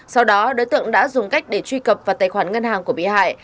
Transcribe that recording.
sau đó đối tượng đã dùng cách để truy cập vào tài khoản ngân hàng của bị hại